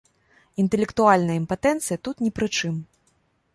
Інтэлектуальная імпатэнцыя тут не пры чым.